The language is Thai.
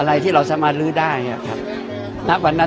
อะไรที่เราสามารถรื้อได้นะวันหน้าว๐๐๐นะวันหน้า